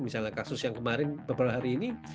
misalnya kasus yang kemarin beberapa hari ini